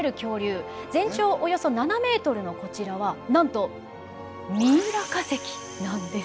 全長およそ７ｍのこちらはなんとミイラ化石なんです！